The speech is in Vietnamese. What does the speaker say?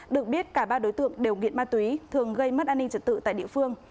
được biết cả ba đối tượng đều nghiện ma túy thường gây mất an ninh trật tự tại địa phương